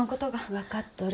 分かっとる。